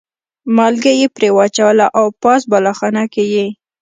مالګه یې پرې واچوله او پاس بالاخانه کې یې.